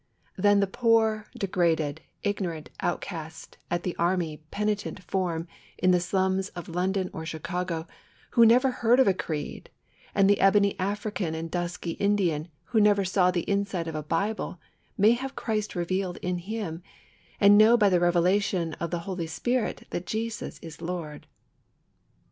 Then the poor, degraded, ignorant outcast at The Army penitent form in the slums of London or Chicago, who never heard of a creed, and the ebony African and dusky Indian, who never saw the inside of a Bible, may have Christ revealed in him, and know by the revelation of the Holy Spirit that Jesus is Lord.